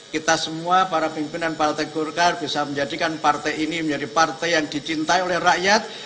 kita semua para pimpinan partai golkar bisa menjadikan partai ini menjadi partai yang dicintai oleh rakyat